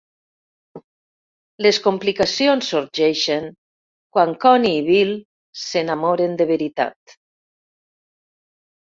Les complicacions sorgeixen quan Connie i Bill s'enamoren de veritat.